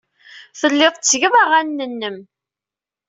Telliḍ tettgeḍ aɣanen-nnem.